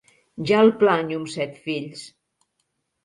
Ja el planyo, amb set fills!